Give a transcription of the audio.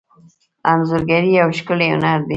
انځورګري یو ښکلی هنر دی.